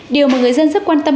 điều mà người dân rất quan tâm